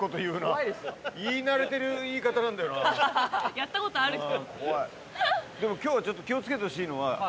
やったことある人。